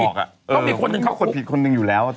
ต้องมีคนหนึ่งเข้าคนผิดคนหนึ่งอยู่แล้ว